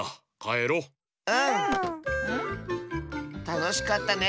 たのしかったね。